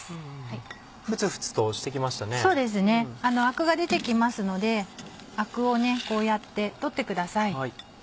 アクが出て来ますのでアクをこうやって取ってください。